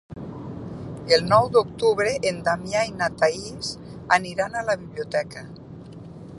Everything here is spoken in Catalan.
El nou d'octubre en Damià i na Thaís aniran a la biblioteca.